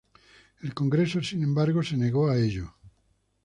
El Congreso, sin embargo, se negó a ello.